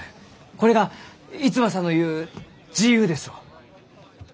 これが逸馬さんの言う自由ですろう？